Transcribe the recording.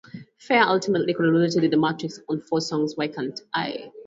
Phair ultimately collaborated with The Matrix on four songs: Why Can't I?